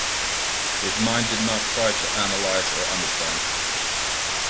His mind did not try to analyse or understand.